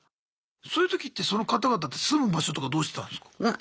そういうときってその方々って住む場所とかどうしてたんすか？